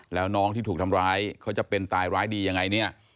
แล้วน้องที่ถูกทำร้ายเขาจะเป็นตายร้ายดียังไงเนี่ย